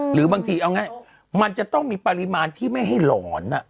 หรือบางทีเอาง่ายมันจะต้องมีปริมาณที่ไม่ให้หลอน